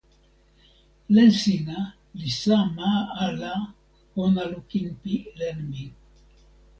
len sina li sama ala pona lukin pi len mi.